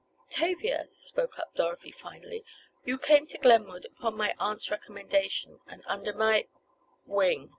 "Tavia," spoke up Dorothy finally, "you came to Glenwood upon my aunt's recommendation, and under my—" "Wing!"